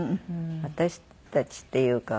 私たちっていうか